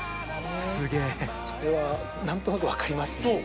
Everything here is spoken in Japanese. それは何となく分かりますね。